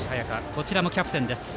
こちらもキャプテンです。